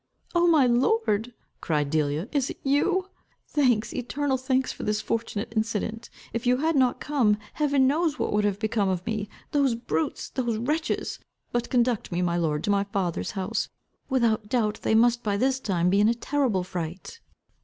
"Oh, my lord," cried Delia, "is it you? Thanks, eternal thanks, for this fortunate incident. If you had not come, heaven knows what would have become of me! Those brutes, those wretches But conduct me, my lord, to my father's house. Without doubt, they must by this time be in a terrible fright."